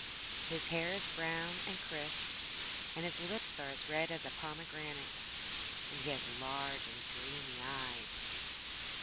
His hair is brown and crisp, and his lips are red as a pomegranate, and he has large and dreamy eyes.